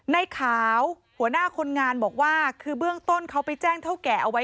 ในขาวหัวหน้าคนงานบอกว่าคือเบื้องต้นเขาไปแจ้งเท่าแก่เอาไว้